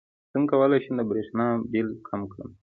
څنګه کولی شم د بریښنا بل کم کړم